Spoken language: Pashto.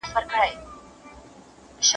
ټولنه کولای سي د ګډ کار په واسطه پرمختګ وکړي.